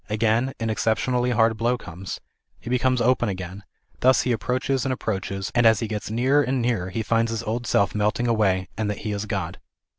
Again an excep tionally hard blow comes. He becomes open again ; thus he approaches and approaches, and as he gets nearer and nearer he finds his old self melting away, and that he is God.